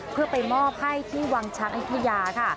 เพื่อไปมอบให้ที่วังช้างอายุทยาค่ะ